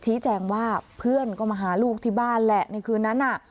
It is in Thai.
ชี้แจงว่าเพื่อนก็มาหาลูกที่บ้านแหละในคืนนั้นน่ะ